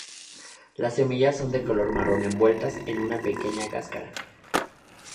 Las semillas son de color marrón envueltas en una pequeña cáscara.